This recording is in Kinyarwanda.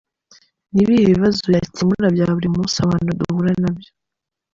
Ni ibihe bibazo yakemura bya buri munsi abantu duhura na byo.”